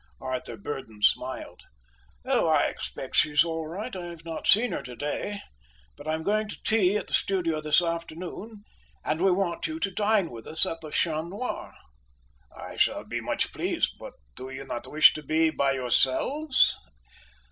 Arthur Burdon smiled. "Oh, I expect she's all right. I've not seen her today, but I'm going to tea at the studio this afternoon, and we want you to dine with us at the Chien Noir." "I shall be much pleased. But do you not wish to be by yourselves?"